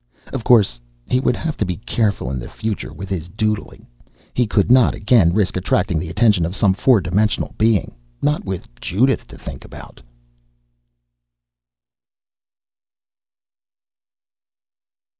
Of course, he would have to be careful in the future with his "doodling"! He could not again risk attracting the attention of some four dimensional Being not with Judith to think about!